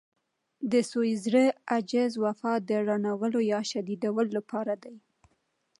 د سوي زړه، عجز، وفا د رڼولو يا شديدولو لپاره دي.